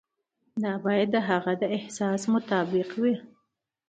دا باید د هغه د احساس مطابق وي.